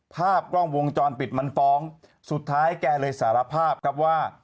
ภาพกล้องวงจรปิดมันฟ้องสุดท้ายแกเลยสารภาพครับว่า